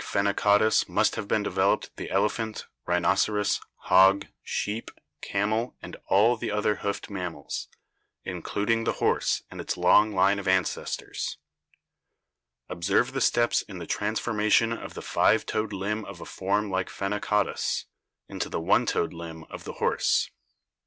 Foot Bones and Teeth. 174 BIOLOGY something like Phenacodus must have been developed the elephant, rhinoceros, hog, sheep, camel, and all the other hoofed mammals, including the horse and its long line of ancestors. Observe the steps in the transformation of the five toed limb of a form like Phenacodus into the one toed limb of the horse.